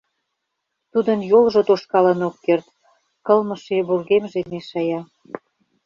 Тудын йолжо тошкалын ок керт — кылмыше вургемже мешая.